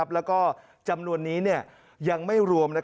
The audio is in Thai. แล้วก็จำนวนนี้ยังไม่รวม